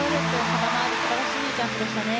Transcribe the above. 幅のある素晴らしいジャンプでしたね。